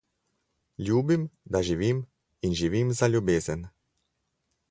Ljubim, da živim in živim za ljubezen.